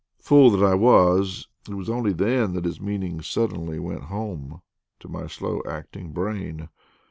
Fool that I was, it was only then that his meaning suddenly went home to my slow acting brain.